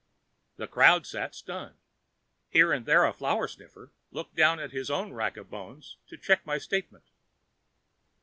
The crowd sat stunned. Here and there, a flower sniffer looked down at his own rack of bones to check my statement.